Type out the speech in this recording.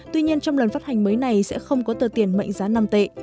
tuy nhiên trong lần phát hành mới này sẽ không có tờ tiền mệnh giá năm tệ